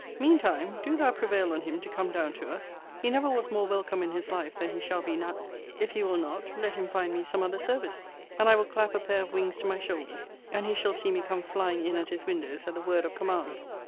Mean time, do thou prevail on him to come down to us: he never was more welcome in his life than he shall be now. If he will not, let him find me some other service; and I will clap a pair of wings to my shoulders, and he shall see me come flying in at his windows at the word of command.